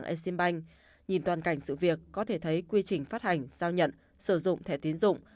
e sim banh nhìn toàn cảnh sự việc có thể thấy quy trình phát hành giao nhận sử dụng thẻ tiến dụng